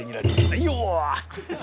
はいよ！